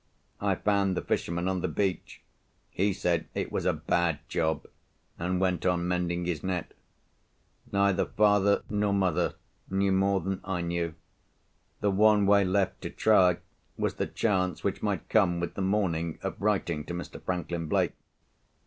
I found the fisherman on the beach. He said it was "a bad job," and went on mending his net. Neither father nor mother knew more than I knew. The one way left to try was the chance, which might come with the morning, of writing to Mr. Franklin Blake.